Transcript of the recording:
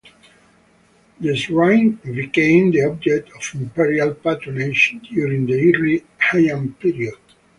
The shrine became the object of Imperial patronage during the early Heian period.